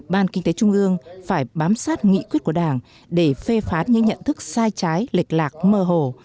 ban kinh tế trung ương phải bám sát nghị quyết của đảng để phê phán những nhận thức sai trái lịch lạc mơ hồ